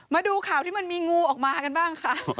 มาดูข่าวที่มันมีงูออกมากันบ้างค่ะ